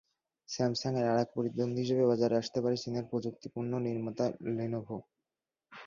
স্যামসাংয়ের আরেক প্রতিদ্বন্দ্বী হিসেবে বাজারে আসতে পারে চীনের প্রযুক্তিপণ্য নির্মাতা লেনোভো।